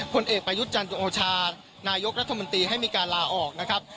ผลเอกประยุทธ์จันโอชานายกรัฐมนตรีให้มีการลาออกนะครับ